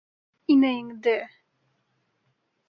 Инәйеңде!